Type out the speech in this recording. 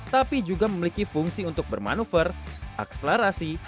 tapi juga memiliki fungsi untuk bermanuver akselerasi